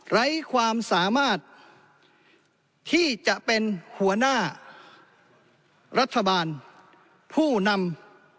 ไร้ความสามารถที่จะเป็นหัวหน้ารัฐบาลผู้นำประธานสภาพธรรม